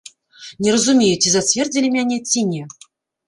Не разумею, ці зацвердзілі мяне, ці не.